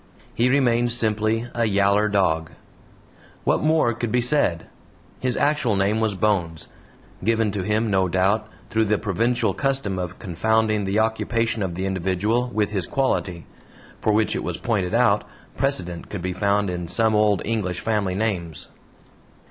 He remained simply "a yaller dog." What more could be said? His actual name was "Bones" given to him, no doubt, through the provincial custom of confounding the occupation of the individual with his quality, for which it was pointed out precedent could be found in some old English family names.